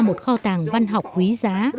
một kho tàng văn học quý giá